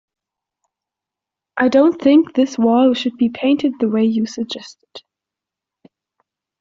I don't think this wall should be painted the way you suggested.